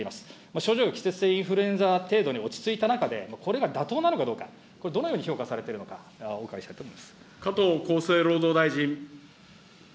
症状が、季節性インフルエンザ程度に落ち着いた中で、これが妥当なのかどうか、これ、どのように評価されているのか、お伺いしたいと思います。